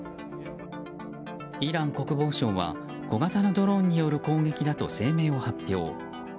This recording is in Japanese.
イラン国防省は小型のドローンによる攻撃だと声明を発表。